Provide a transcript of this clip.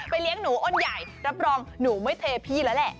เลี้ยงหนูอ้นใหญ่รับรองหนูไม่เทพี่แล้วแหละ